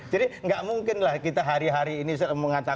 jadi enggak mungkin lah kita hari hari ini mengatakan